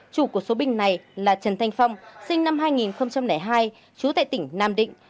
chủ của số bình này là trần thanh phong sinh năm hai nghìn hai trú tại tỉnh nam định